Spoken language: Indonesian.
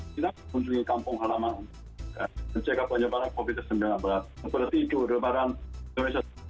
kita untuk kampung halaman menjaga penyebaran covid sembilan belas berarti itu rebaran indonesia tadi itu